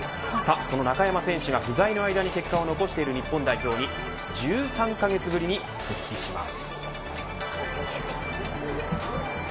その中山選手が不在の間に結果を残している日本代表に１３カ月ぶりに復帰します。